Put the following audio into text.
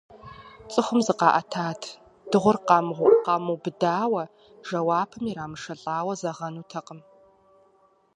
Цӏыхум зыкъаӏэтат, дыгъур къамыубыдауэ, жэуапым ирамышэлӀауэ зэгъэнутэкъым.